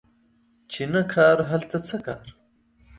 چی نه کار، هلته څه کار